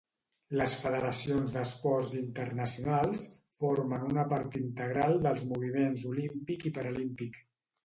Les federacions d'esports internacionals formen una part integral dels moviments olímpic i paralímpic.